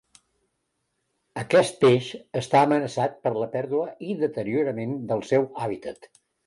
Aquest peix està amenaçat per la pèrdua i deteriorament del seu hàbitat.